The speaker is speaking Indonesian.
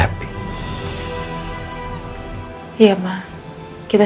tapi pada saat yang tepat